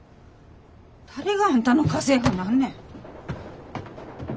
誰があんたの家政婦になんねん！